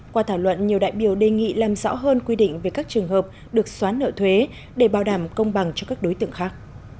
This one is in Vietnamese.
qua thảo luận nhiều đại biểu đề nghị làm rõ hơn quy định về các trường hợp được xóa nợ thuế để bảo đảm công bằng cho các đối tượng khác